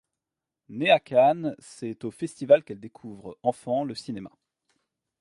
Née à Cannes, c'est au festival qu'elle découvre, enfant, le cinéma.